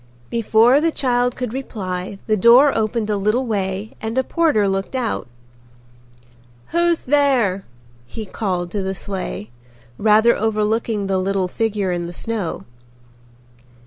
Before the child could reply the door opened a little way and a porter looked out. "Who's there?" he called to the sleigh, rather overlooking the little figure in the snow.